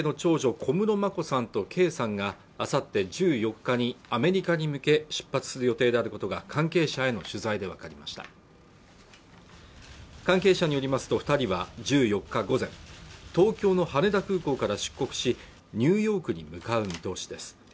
小室眞子さんと圭さんがあさって１４日にアメリカに向け出発する予定であることが関係者への取材で分かりました関係者によりますと二人は１４日午前東京の羽田空港から出国しニューヨークに向かう見通しです